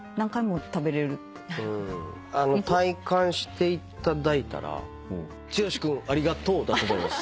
体感していただいたら「剛君ありがとう」だと思います。